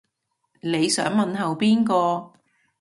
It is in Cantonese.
你想問候邊個